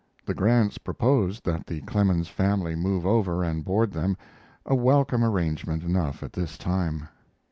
The Grants proposed that the Clemens family move over and board them, a welcome arrangement enough at this time.